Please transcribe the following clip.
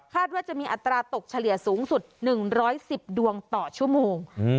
ว่าจะมีอัตราตกเฉลี่ยสูงสุด๑๑๐ดวงต่อชั่วโมง